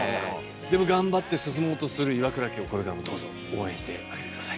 でも頑張って進もうとする岩倉家をこれからもどうぞ応援してあげて下さい。